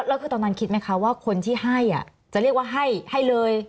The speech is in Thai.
แล้วคือตอนนั้นคิดไหมคะว่าคนที่ให้จะเรียกว่าให้เลย